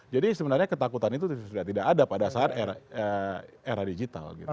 jadi sebenarnya ketakutan itu tidak ada pada saat era digital